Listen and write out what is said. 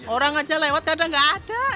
orang aja lewat kadang nggak ada